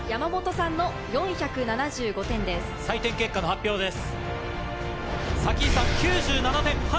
採点結果の発表です。